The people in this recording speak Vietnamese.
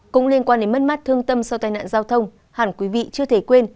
cũng liên quan đến mất mắt thương tâm sau tai nạn giao thông hẳn quý vị chưa thể quên